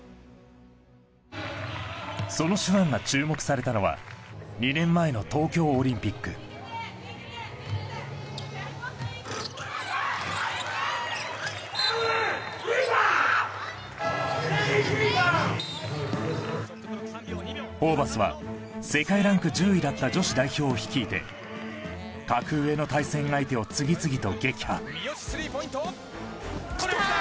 その手腕が注目されたのは２年前の東京オリンピックホーバスは世界ランク１０位だった女子代表を率いて格上の対戦相手を次々と撃破三好スリーポイントこれきた！